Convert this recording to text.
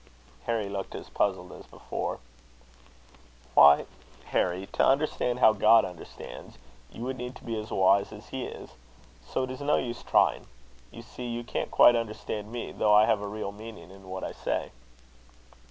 Harry looked as puzzled as before. "Why, Harry, to understand how God understands, you would need to be as wise as he is; so it is no use trying. You see you can't quite understand me, though I have a real meaning in what I say."